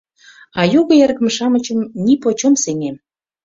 А його эргым-шамычым нипочем сеҥем!